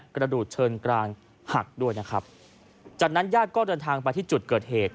กระดูกเชิงกลางหักด้วยนะครับจากนั้นญาติก็เดินทางไปที่จุดเกิดเหตุ